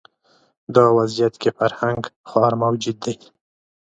دا وضعیت کې فرهنګ خوار موجود دی